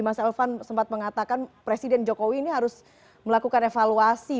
mas elvan sempat mengatakan presiden jokowi ini harus melakukan evaluasi